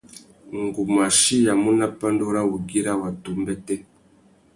Ngu mú achiyamú nà pandú râ wugüira watu umbêtê.